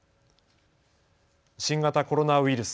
新型コロナウイルス。